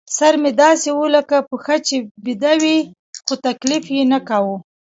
سر مې داسې و لکه پښه چې بېده وي، خو تکلیف یې نه کاوه.